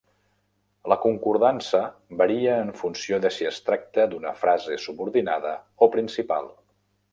La concordança varia en funció de si es tracta d'una frase subordinada o principal.